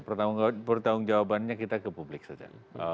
pertanggung jawabannya kita ke publik saja